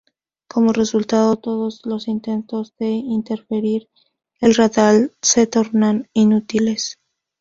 Como resultado todos los intentos de interferir el radar se tornaron inútiles.